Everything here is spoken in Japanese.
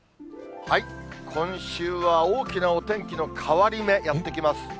今週は大きなお天気の変わり目、やって来ます。